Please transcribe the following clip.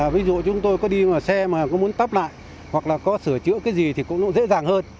ví dụ chúng tôi có đi xe mà có muốn tắp lại hoặc là có sửa chữa cái gì thì cũng dễ dàng hơn